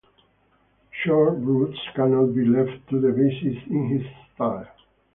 Chord roots cannot be left to the bassist in this style.